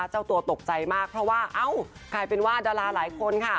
เจ้าตัวตกใจมากเพราะว่าเอ้ากลายเป็นว่าดาราหลายคนค่ะ